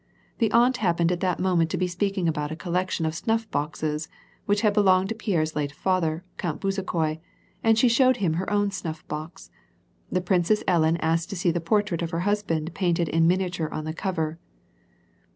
The aunt happened at that moment to be speaking about a collection of snuff boxes, which had belonged to Pierre's late father, Count Bezukhoi, and she showed him her own snufF box. The Prin cess Ellen asked to see the portrait of her husband painted in miniature on the cover.